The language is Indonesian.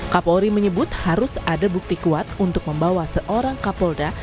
kapolri menyebut harus ada bukti kuat untuk membawa seorang kapolda